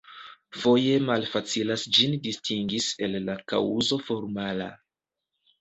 Foje malfacilas ĝin distingis el la kaŭzo formala.